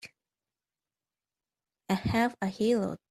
A half a heelot!